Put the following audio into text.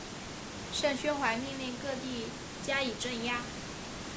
盛宣怀命令各地加以镇压。